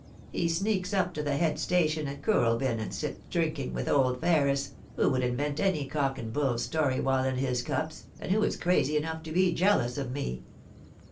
He sneaks up to the head station at Kooralbyn, and sits drinking with old Ferris, who would invent any cock and bull story while in his cups, and who is crazy enough to be jealous of me.'